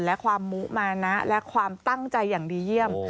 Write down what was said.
และความมุมานะและความตั้งใจอย่างดีเยี่ยม